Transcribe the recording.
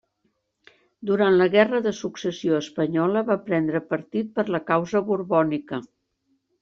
Durant la Guerra de Successió espanyola, va prendre partit per la causa borbònica.